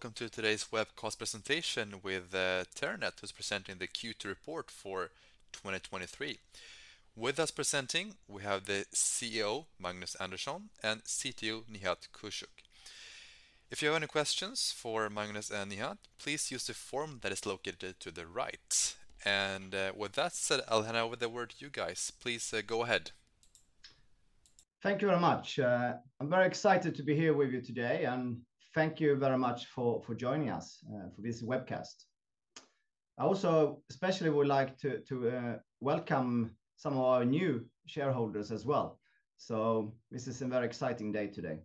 Hello, welcome to today's webcast presentation with Terranet, who's presenting the Q2 report for 2023. With us presenting, we have the CEO, Magnus Andersson, and CTO, Nihat Küçük. If you have any questions for Magnus and Nihat, please use the form that is located to the right. With that said, I'll hand over the word to you guys. Please, go ahead. Thank you very much. I'm very excited to be here with you today, and thank you very much for, for joining us, for this webcast. I also especially would like to, to, welcome some of our new shareholders as well. This is a very exciting day today.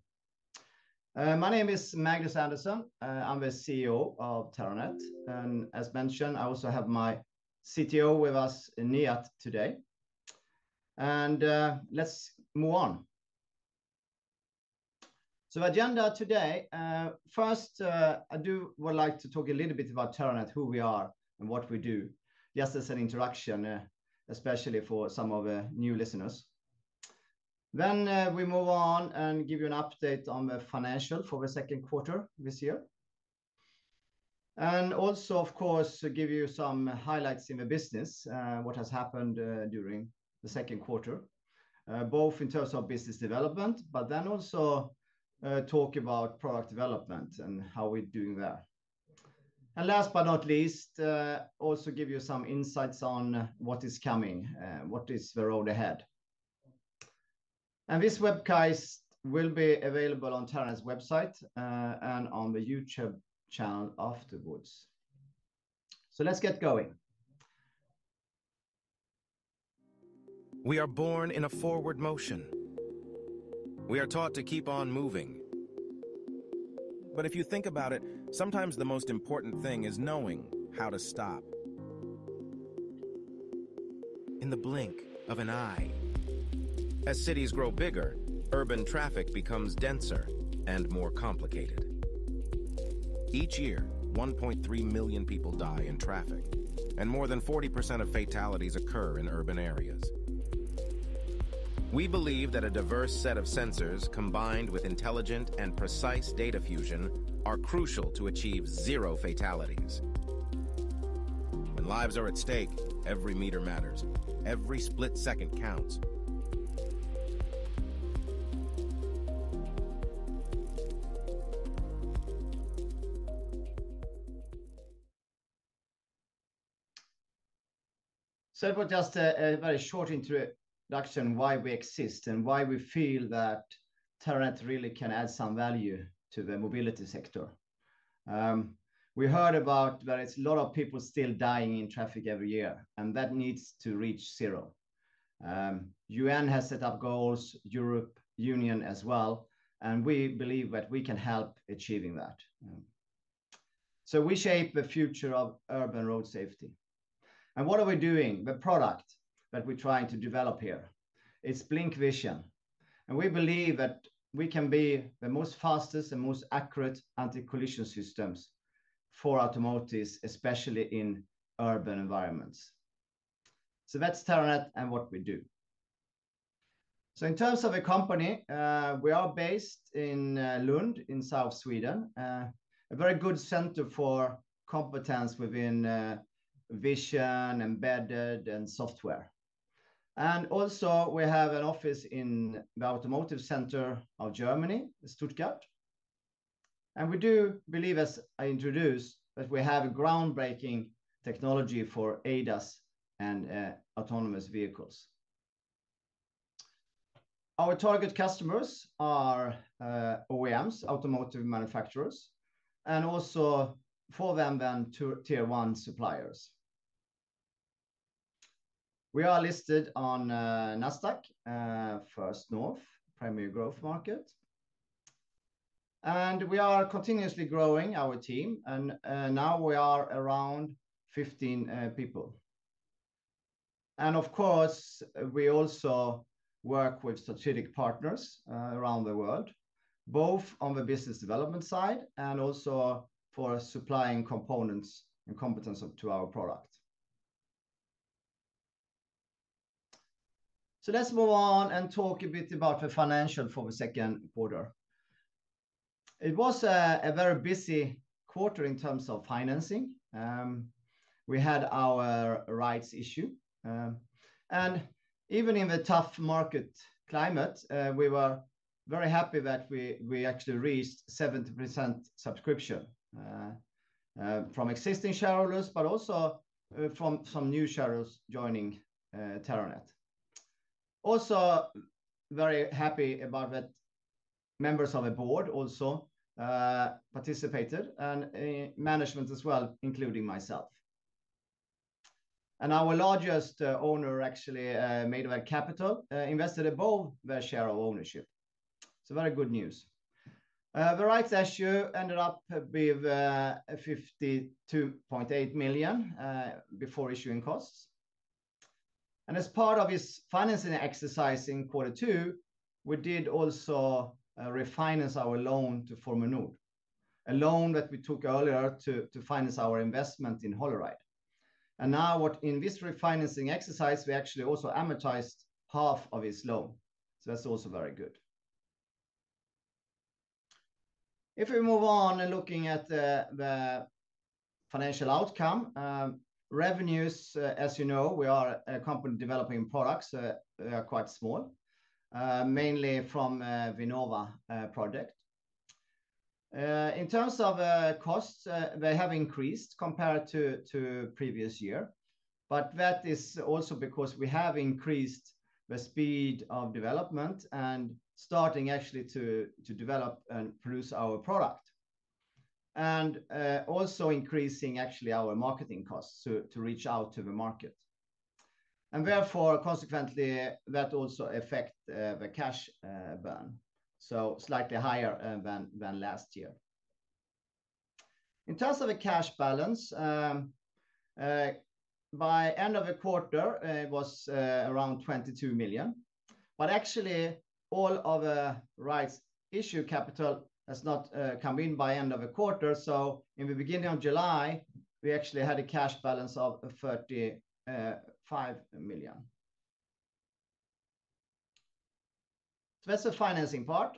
My name is Magnus Andersson. I'm the CEO of Terranet, and as mentioned, I also have my CTO with us, Nihat, today. Let's move on. Agenda today, first, I do would like to talk a little bit about Terranet, who we are and what we do. Just as an introduction, especially for some of the new listeners. We move on and give you an update on the financial for the second quarter this year. Also, of course, give you some highlights in the business, what has happened, during the second quarter. Both in terms of business development, but then also, talk about product development and how we're doing there. Last but not least, also give you some insights on what is coming, what is the road ahead. This webcast will be available on Terranet's website, and on the YouTube channel afterwards. Let's get going. We are born in a forward motion. We are taught to keep on moving. If you think about it, sometimes the most important thing is knowing how to stop. In the blink of an eye. As cities grow bigger, urban traffic becomes denser and more complicated. Each year, 1.3 million people die in traffic, More than 40% of fatalities occur in urban areas. We believe that a diverse set of sensors, combined with intelligent and precise data fusion, are crucial to achieve zero fatalities. When lives are at stake, every meter matters, every split second counts. That was just a very short introduction, why we exist, and why we feel that Terranet really can add some value to the mobility sector. We heard about that it's a lot of people still dying in traffic every year, and that needs to reach zero. UN has set up goals, European Union as well, and we believe that we can help achieving that. We shape the future of urban road safety. What are we doing? The product that we're trying to develop here, it's BlincVision, and we believe that we can be the most fastest and most accurate anti-collision system for automotives, especially in urban environments. That's Terranet and what we do. In terms of the company, we are based in Lund, in South Sweden. A very good center for competence within vision, embedded and software. Also we have an office in the automotive center of Germany, Stuttgart. We do believe, as I introduced, that we have a groundbreaking technology for ADAS and autonomous vehicles. Our target customers are OEMs, automotive manufacturers, and also for them, then Tier one suppliers. We are listed on Nasdaq First North Premier Growth Market, and we are continuously growing our team, and now we are around 15 people. Of course, we also work with strategic partners around the world, both on the business development side and also for supplying components and competence to our product. Let's move on and talk a bit about the financial for the second quarter. It was a very busy quarter in terms of financing. issue, and even in the tough market climate, we were very happy that we actually reached 70% subscription from existing shareholders, but also from some new shareholders joining Terranet. Also, very happy about that members of the board also participated, and management as well, including myself. Our largest owner actually made of a capital invested above their share of ownership. Very good news. The rights issue ended up with 52.8 million before issuing costs. As part of this financing exercise in Q2, we did also refinance our loan to Formue Nord, a loan that we took earlier to finance our investment in holoride. Now in this refinancing exercise, we actually also amortized half of its loan, so that's also very good. If we move on and looking at the financial outcome, revenues, as you know, we are a company developing products, so they are quite small, mainly from Vinnova project. In terms of costs, they have increased compared to previous year, but that is also because we have increased the speed of development and starting actually to develop and produce our product. Also increasing actually our marketing costs to reach out to the market. Therefore, consequently, that also affect the cash burn, so slightly higher than last year. In terms of the cash balance, by end of the quarter, it was around 22 million, but actually all of the rights issue capital has not come in by end of the quarter. In the beginning of July, we actually had a cash balance of 35 million. That's the financing part.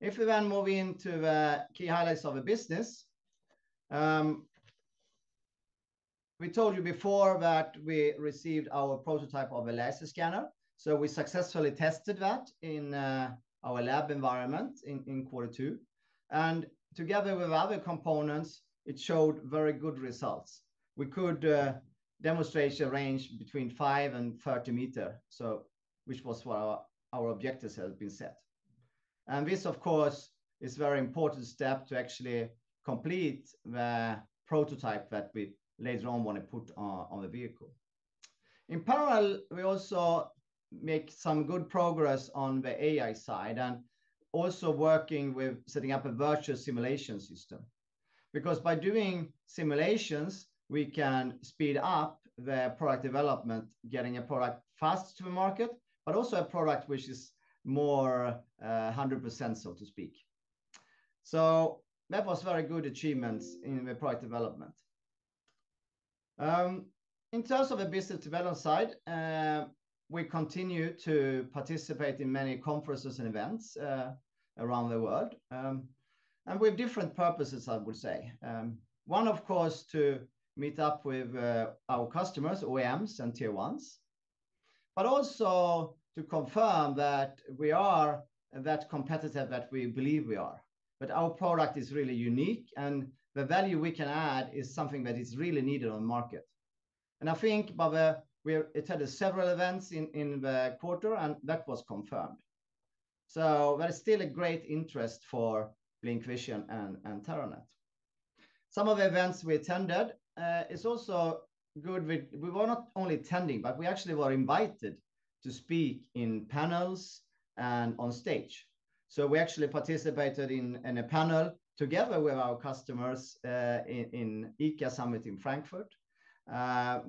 If we then move into the key highlights of the business, we told you before that we received our prototype of a laser scanner, so we successfully tested that in our lab environment in quarter two. Together with other components, it showed very good results. We could demonstrate a range between five and 30 meter, which was what our objectives had been set. This, of course, is very important step to actually complete the prototype that we later on wanna put on, on the vehicle. In parallel, we also make some good progress on the AI side, and also working with setting up a virtual simulation system. By doing simulations, we can speed up the product development, getting a product fast to the market, but also a product which is more 100%, so to speak. That was very good achievements in the product development. In terms of the business development side, we continue to participate in many conferences and events around the world, and with different purposes, I would say. One, of course, to meet up with our customers, OEMs and Tier 1, but also to confirm that we are that competitive that we believe we are, that our product is really unique, and the value we can add is something that is really needed on the market. We attended several events in the quarter, and that was confirmed. There is still a great interest for BlincVision and Terranet. Some of the events we attended is also good. We were not only attending, but we actually were invited to speak in panels and on stage. We actually participated in a panel together with our customers in ICA Summit in Frankfurt.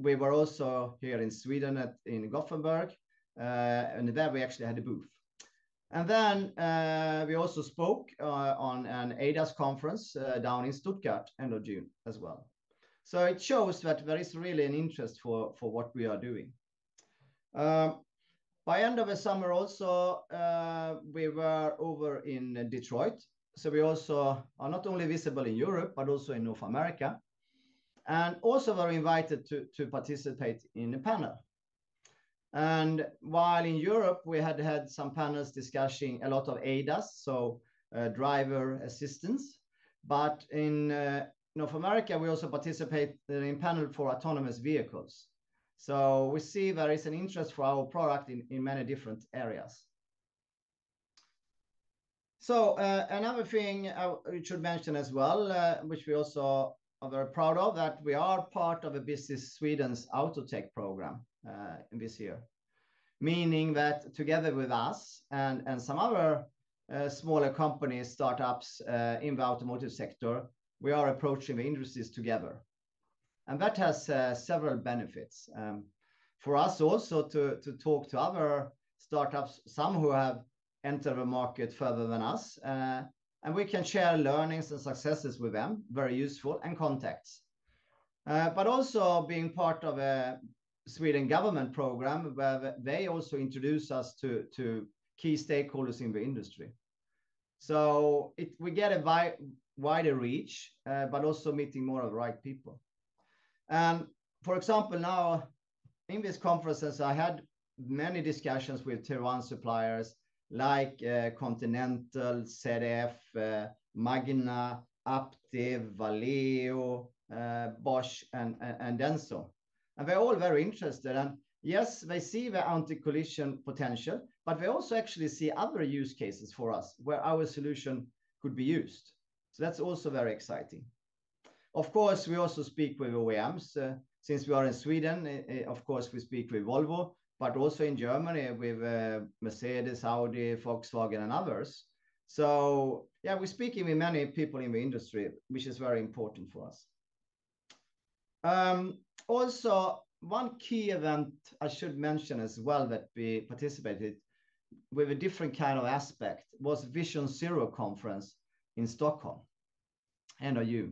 We were also here in Sweden, in Gothenburg, and there we actually had a booth. We also spoke on an ADAS conference down in Stuttgart, end of June as well. It shows that there is really an interest for what we are doing. By end of the summer, also, we were over in Detroit, so we also are not only visible in Europe, but also in North America, and also were invited to participate in a panel. While in Europe, we had had some panels discussing a lot of ADAS, so driver assistance, but in North America, we also participate in a panel for autonomous vehicles. We see there is an interest for our product in many different areas. Another thing I we should mention as well, which we also are very proud of, that we are part of a Business Sweden's Autotech program in this year. Meaning that together with us and, and some other, smaller companies, startups, in the automotive sector, we are approaching the industries together. That has several benefits for us also to, to talk to other startups, some who have entered the market further than us, and we can share learnings and successes with them, very useful, and contacts. Also being part of a Sweden government program, where they also introduce us to, to key stakeholders in the industry. We get a wider reach, but also meeting more of the right people. For example, now, in these conferences, I had many discussions with Tier 1 suppliers like Continental, ZF, Magna, Aptiv, Valeo, Bosch, and Denso. They're all very interested, and yes, they see the anti-collision potential, but they also actually see other use cases for us, where our solution could be used. That's also very exciting. Of course, we also speak with OEMs. Since we are in Sweden, of course, we speak with Volvo, but also in Germany, with Mercedes-Benz, Audi, Volkswagen, and others. Yeah, we're speaking with many people in the industry, which is very important for us. Also, one key event I should mention as well that we participated with a different kind of aspect, was Vision Zero conference in Stockholm, NYU.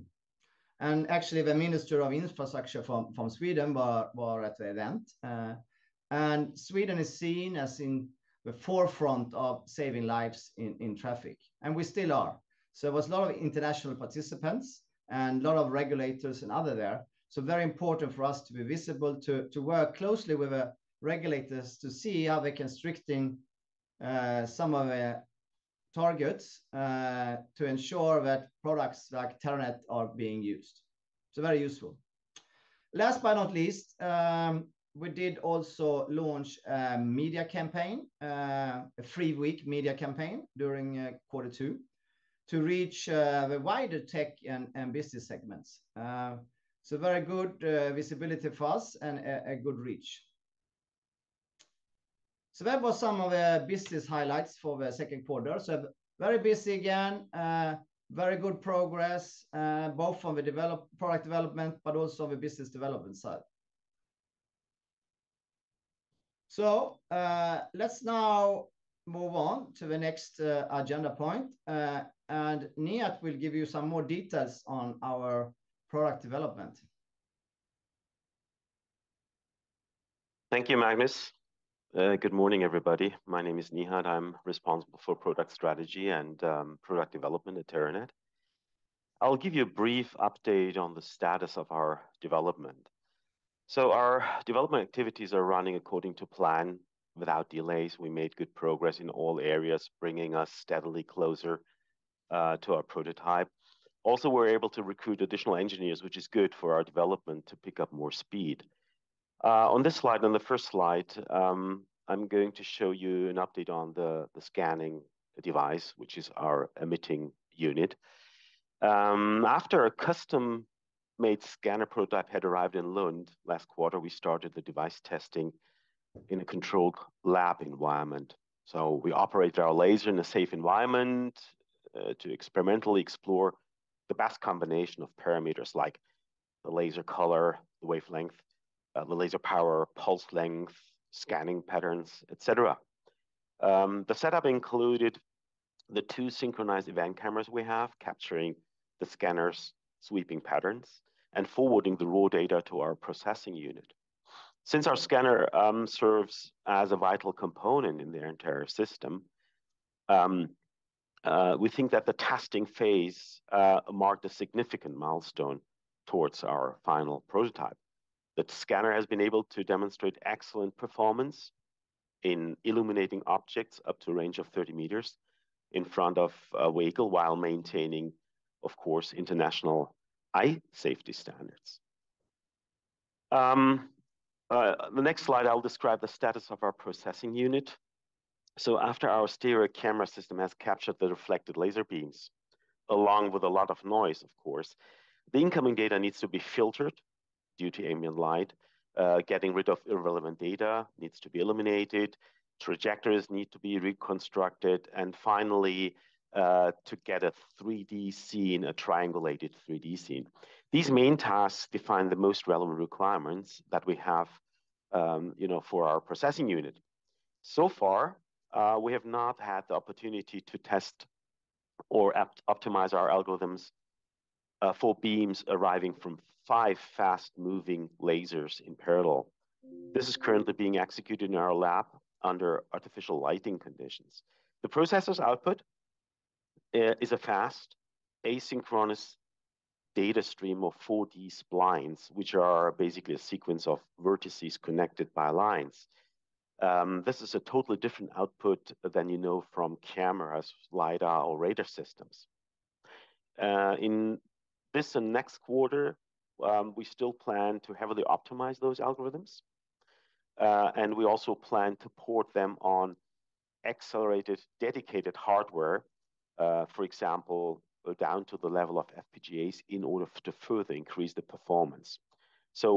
Actually, the Minister of Infrastructure from Sweden was at the event. Sweden is seen as in the forefront of saving lives in, in traffic, and we still are. There was a lot of international participants and a lot of regulators and other there. Very important for us to be visible, to, to work closely with the regulators to see how they're constricting some of the targets to ensure that products like Terranet are being used. Very useful. Last but not least, we did also launch a media campaign, a three-week media campaign during quarter two, to reach the wider tech and business segments. Very good visibility for us and a good reach. That was some of the business highlights for the second quarter. Very busy again, very good progress, both from the product development, but also the business development side. Let's now move on to the next agenda point, and Nihat will give you some more details on our product development. Thank you, Magnus. Good morning, everybody. My name is Nihat. I'm responsible for product strategy and product development at Terranet. I'll give you a brief update on the status of our development. Our development activities are running according to plan without delays. We made good progress in all areas, bringing us steadily closer to our prototype. We're able to recruit additional engineers, which is good for our development to pick up more speed. On this slide, on the first slide, I'm going to show you an update on the scanning device, which is our emitting unit. After a custom-made scanner prototype had arrived in Lund last quarter, we started the device testing in a controlled lab environment. We operated our laser in a safe environment to experimentally explore the best combination of parameters like the laser color, the wavelength, the laser power, pulse length, scanning patterns, et cetera. The setup included the two synchronized event cameras we have, capturing the scanner's sweeping patterns and forwarding the raw data to our processing unit. Since our scanner serves as a vital component in the entire system, we think that the testing phase marked a significant milestone towards our final prototype. The scanner has been able to demonstrate excellent performance in illuminating objects up to a range of 30 meters in front of a vehicle while maintaining, of course, international eye safety standards. The next slide, I'll describe the status of our processing unit. After our stereo camera system has captured the reflected laser beams, along with a lot of noise, of course, the incoming data needs to be filtered due to ambient light. Getting rid of irrelevant data needs to be eliminated, trajectories need to be reconstructed, and finally, to get a 3D scene, a triangulated 3D scene. These main tasks define the most relevant requirements that we have, you know, for our processing unit. Far, we have not had the opportunity to test or optimize our algorithms for beams arriving from five fast-moving lasers in parallel. This is currently being executed in our lab under artificial lighting conditions. The processor's output is a fast, asynchronous data stream of 4D splines, which are basically a sequence of vertices connected by lines. This is a totally different output than you know from cameras, lidar or radar systems. In this and next quarter, we still plan to heavily optimize those algorithms, and we also plan to port them on accelerated, dedicated hardware, for example, down to the level of FPGAs, in order to further increase the performance.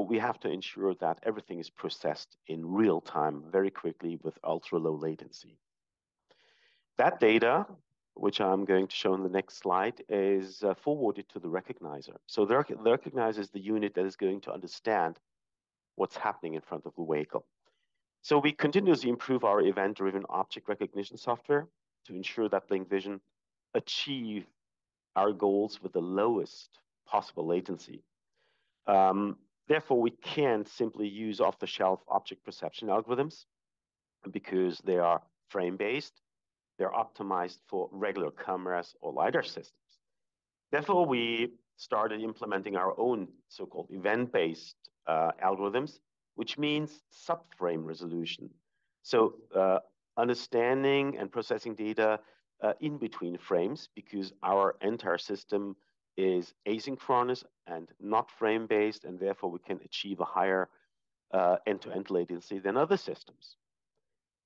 We have to ensure that everything is processed in real-time, very quickly, with ultra-low latency. That data, which I'm going to show in the next slide, is forwarded to the recognizer. The recognizer is the unit that is going to understand what's happening in front of the vehicle. We continuously improve our event-driven object recognition software to ensure that BlincVision achieve our goals with the lowest possible latency. Therefore, we can't simply use off-the-shelf object perception algorithms because they are frame-based. They're optimized for regular cameras or lidar systems. We started implementing our own so-called event-based algorithms, which means sub-frame resolution. Understanding and processing data in between frames, because our entire system is asynchronous and not frame-based, and therefore we can achieve a higher end-to-end latency than other systems.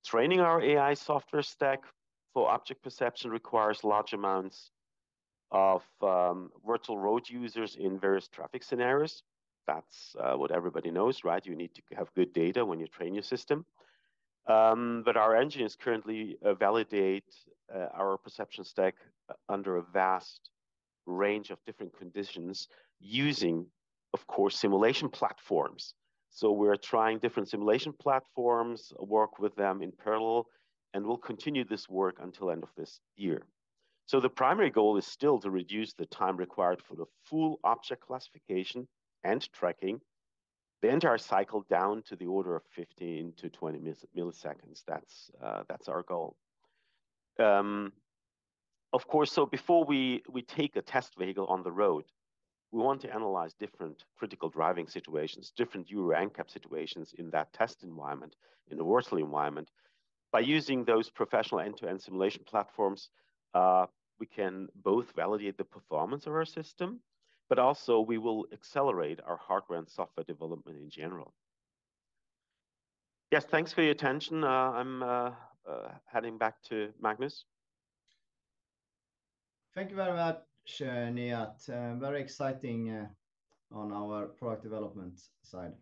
Training our AI software stack for object perception requires large amounts of virtual road users in various traffic scenarios. That's what everybody knows, right? You need to have good data when you train your system. Our engineers currently validate our perception stack under a vast range of different conditions using, of course, simulation platforms. We're trying different simulation platforms, work with them in parallel, and we'll continue this work until end of this year. The primary goal is still to reduce the time required for the full object classification and tracking the entire cycle down to the order of 15-20 milliseconds. That's, that's our goal. Of course, before we take a test vehicle on the road, we want to analyze different critical driving situations, different Euro NCAP situations in that test environment, in the virtual environment. By using those professional end-to-end simulation platforms, we can both validate the performance of our system, also we will accelerate our hardware and software development in general. Yes, thanks for your attention. I'm heading back to Magnus. Thank you very much, Nihat. Very exciting on our product development side.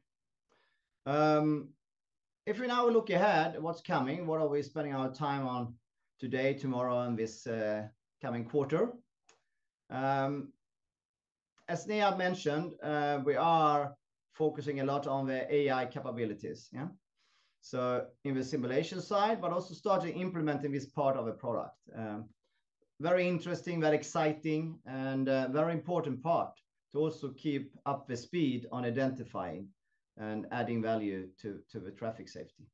If we now look ahead at what's coming, what are we spending our time on today, tomorrow, and this coming quarter? As Nihat mentioned, we are focusing a lot on the AI capabilities. Yeah? In the simulation side, but also starting implementing this part of the product. Very interesting, very exciting, and a very important part to also keep up the speed on identifying and adding value to, to the traffic safety.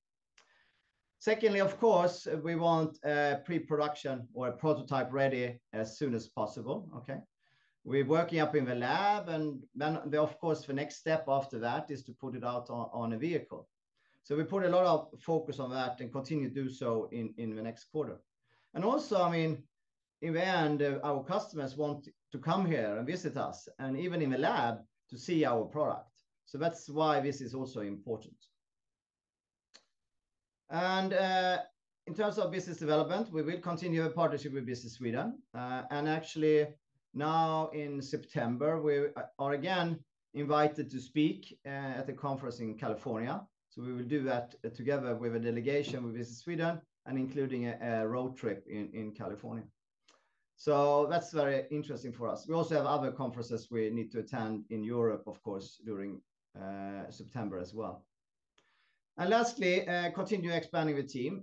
Secondly, of course, we want pre-production or a prototype ready as soon as possible, okay? We're working up in the lab, and then, of course, the next step after that is to put it out on, on a vehicle. We put a lot of focus on that and continue to do so in the next quarter. I mean, in the end, our customers want to come here and visit us, and even in the lab, to see our product. That's why this is also important. In terms of business development, we will continue our partnership with Visit Sweden. Actually now in September, we are again invited to speak at a conference in California. We will do that together with a delegation with Visit Sweden and including a road trip in California. That's very interesting for us. We also have other conferences we need to attend in Europe, of course, during September as well. Lastly, continue expanding the team.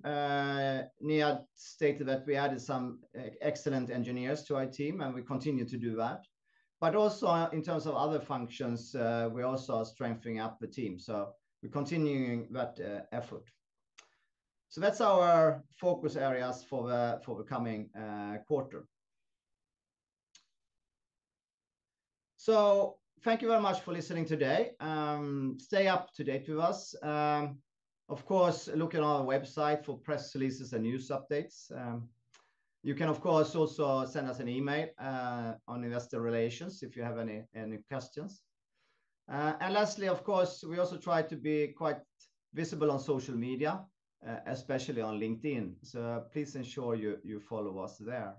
Nihat stated that we added some excellent engineers to our team, and we continue to do that. Also, in terms of other functions, we also are strengthening up the team, so we're continuing that effort. That's our focus areas for the, for the coming quarter. Thank you very much for listening today. Stay up-to-date with us. Of course, look at our website for press releases and news updates. You can, of course, also send us an email on investor relations if you have any, any questions. Lastly, of course, we also try to be quite visible on social media, especially on LinkedIn, so please ensure you, you follow us there.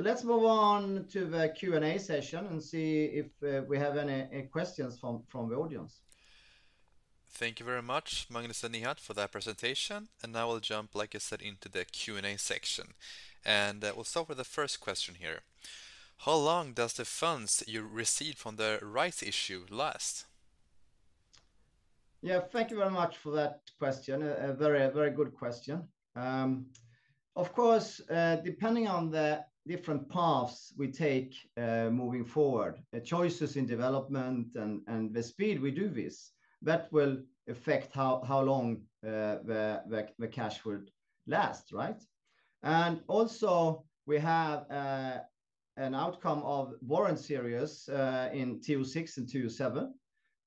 Let's move on to the Q&A session and see if we have any, any questions from, from the audience. Thank you very much, Magnus and Nihat, for that presentation, and now we'll jump, like I said, into the Q&A section. We'll start with the first question here: How long does the funds you receive from the rights issue last? Yeah, thank you very much for that question. A very, very good question. Of course, depending on the different paths we take, moving forward, the choices in development and the speed we do this, that will affect how long the cash will last, right? Also, we have an outcome of warrant series in TO6 and TO7,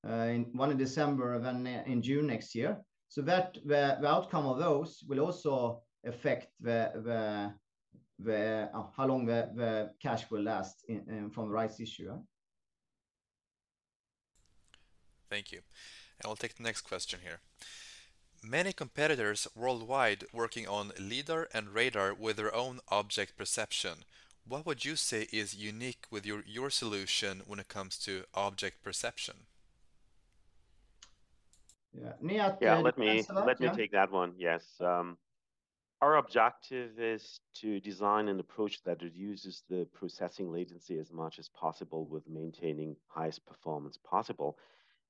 in one in December and then in June next year. That, the outcome of those will also affect how long the cash will last from the rights issue. Thank you. We'll take the next question here. Many competitors worldwide working on lidar and radar with their own object perception. What would you say is unique with your solution when it comes to object perception? Yeah, Nihat, do you want to start? Yeah, let me, let me take that one. Yes, our objective is to design an approach that reduces the processing latency as much as possible with maintaining highest performance possible.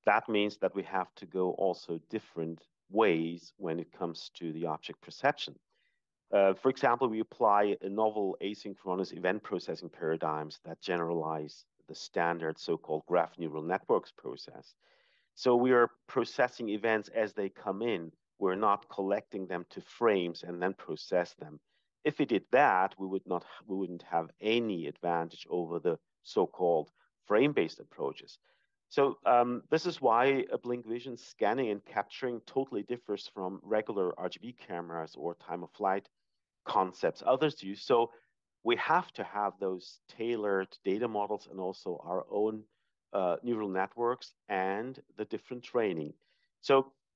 That means that we have to go also different ways when it comes to the object perception. For example, we apply a novel asynchronous event processing paradigms that generalize the standard, so-called graph neural networks process. We are processing events as they come in. We're not collecting them to frames and then process them. If we did that, we wouldn't have any advantage over the so-called frame-based approaches. This is why BlincVision scanning and capturing totally differs from regular RGB cameras or time-of-flight concepts others use. We have to have those tailored data models and also our own neural networks and the different training.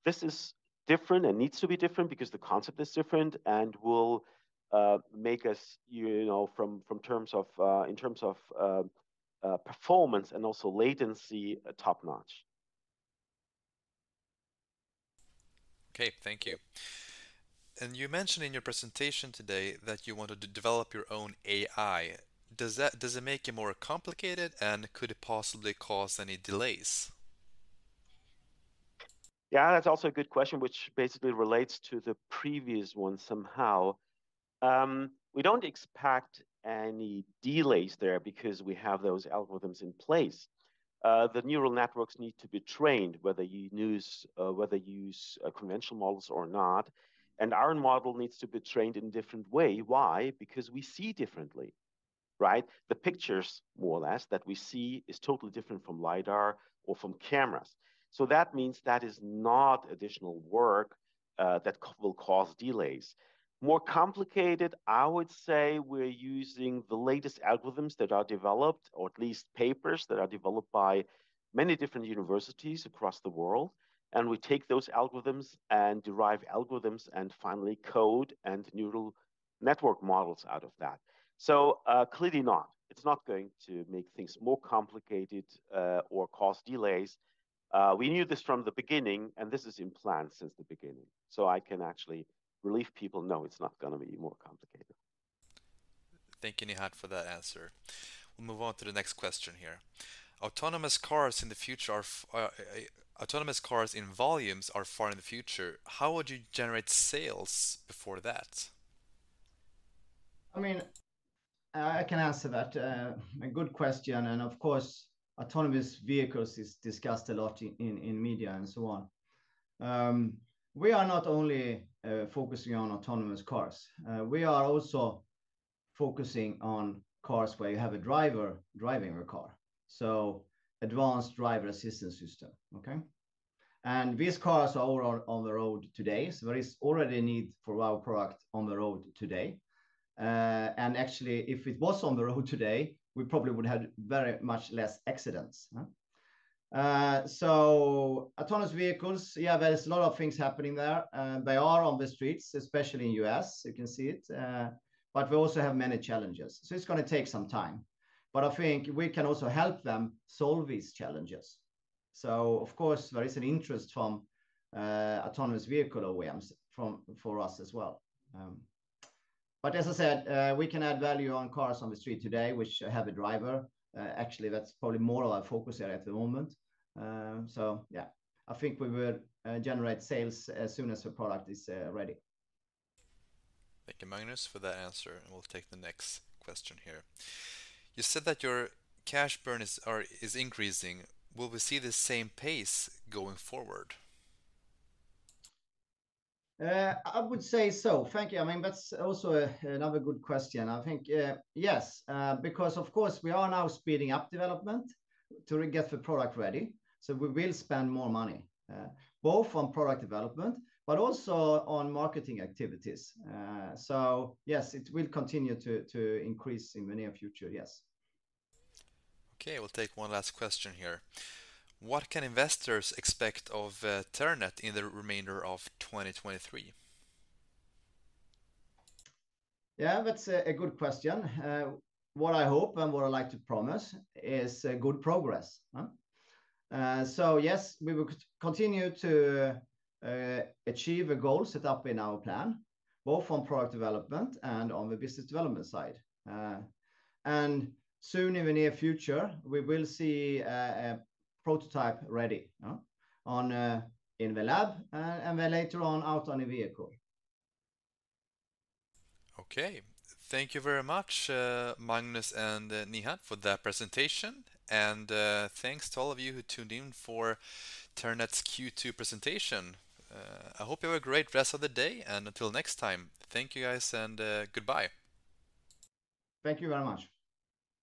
This is different and needs to be different because the concept is different and will make us, you know, from terms of in terms of performance and also latency, top-notch. Okay, thank you. And you mentioned in your presentation today that you wanted to develop your own AI. Does it make it more complicated, and could it possibly cause any delays? Yeah, that's also a good question, which basically relates to the previous one somehow. We don't expect any delays there because we have those algorithms in place. The neural networks need to be trained, whether you use, whether you use conventional models or not, and our model needs to be trained in different way. Why? Because we see differently, right? The pictures, more or less, that we see is totally different from Lidar or from cameras. That means that is not additional work that will cause delays. More complicated, I would say we're using the latest algorithms that are developed, or at least papers that are developed by many different universities across the world, and we take those algorithms and derive algorithms, and finally, code and neural network models out of that. Clearly not, it's not going to make things more complicated, or cause delays. We knew this from the beginning, and this is in plan since the beginning, so I can actually relieve people. No, it's not gonna be more complicated. Thank you, Nihat, for that answer. We'll move on to the next question here. Autonomous cars in the future are autonomous cars in volumes are far in the future. How would you generate sales before that? I mean, I, I can answer that. A good question, and of course, autonomous vehicles is discussed a lot in, in, in media and so on. We are not only focusing on autonomous cars, we are also focusing on cars where you have a driver driving a car, so advanced driver assistance system, okay? These cars are all on the road today, so there is already a need for our product on the road today. Actually, if it was on the road today, we probably would have very much less accidents, huh? Autonomous vehicles, yeah, there is a lot of things happening there. They are on the streets, especially in US, you can see it, but we also have many challenges, so it's gonna take some time. I think we can also help them solve these challenges. Of course, there is an interest from autonomous vehicle OEMs from, for us as well. As I said, we can add value on cars on the street today, which have a driver. Actually, that's probably more of our focus area at the moment. Yeah, I think we will generate sales as soon as the product is ready. Thank you, Magnus, for that answer, and we'll take the next question here. You said that your cash burn is, is increasing. Will we see the same pace going forward? I would say so. Thank you. I mean, that's also another good question. I think, yes, of course, we are now speeding up development to get the product ready, so we will spend more money, both on product development, but also on marketing activities. Yes, it will continue to increase in the near future. Yes. Okay, we'll take one last question here. What can investors expect of Terranet in the remainder of 2023? Yeah, that's a good question. What I hope and what I'd like to promise is good progress, huh? Yes, we will continue to achieve a goal set up in our plan, both on product development and on the business development side. Soon, in the near future, we will see a prototype ready on in the lab, and then later on, out on a vehicle. Okay. Thank you very much, Magnus and Nihad, for that presentation. Thanks to all of you who tuned in for Terranet's Q2 presentation. I hope you have a great rest of the day, and until next time, thank you, guys, and goodbye. Thank you very much.